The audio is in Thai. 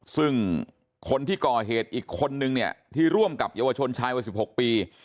ซึ่งคนที่ก่อเหตุอีกคนนึงเนี่ยที่ร่วมกับเยาวชนชายวัย๑๖ปี